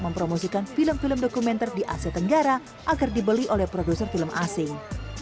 mempromosikan film film dokumenter di asia tenggara agar dibeli oleh produser film asing